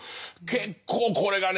結構これがね